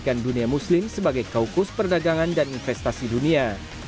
forum ekonomi islam dunia muslim sebagai kaukus perdagangan dan investasi dunia